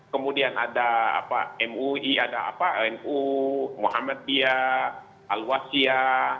kemudian ada mui ada anu muhammadiyah al wasyah